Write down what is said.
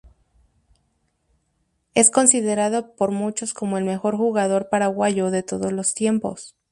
Es considerado por muchos como el mejor jugador paraguayo de todos los tiempos.